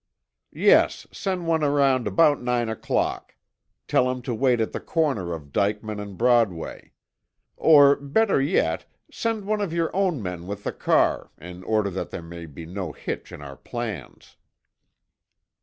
"Yes, send one around about nine o'clock. Tell him to wait at the corner of Dyckman and Broadway. Or, better yet, send one of your own men with the car, in order that there may be no hitch in our plans."